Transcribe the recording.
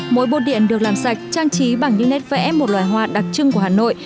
mỗi bột điện được làm sạch trang trí bằng những nét vẽ một loài hoa đặc trưng của hà nội